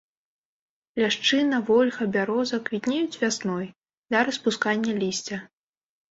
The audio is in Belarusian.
Ляшчына, вольха, бяроза квітнеюць вясной, да распускання лісця.